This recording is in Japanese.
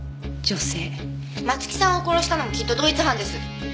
松木さんを殺したのもきっと同一犯です。